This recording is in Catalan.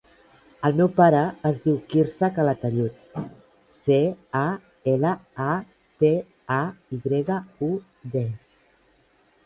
El meu pare es diu Quirze Calatayud: ce, a, ela, a, te, a, i grega, u, de.